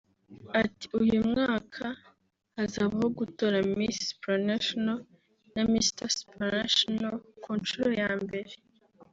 Ati “Uyu mwaka hazabaho gutora Miss Supranational na Mister Supranational ku nshuro ya mbere